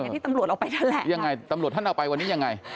ที่ตำรวจเอาไปนั่นแหละยังไงตำรวจท่านเอาไปวันนี้ยังไง